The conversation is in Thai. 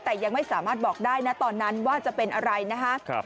แต่ยังไม่สามารถบอกได้นะตอนนั้นว่าจะเป็นอะไรนะคะ